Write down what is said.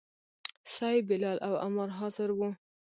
صیب، بلال او عمار حاضر وو.